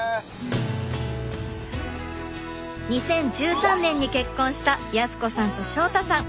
２０１３年に結婚した靖子さんと祥太さん。